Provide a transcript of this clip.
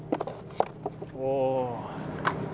お。